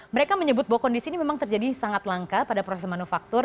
mereka menyebut bahwa kondisi ini memang terjadi sangat langka pada proses manufaktur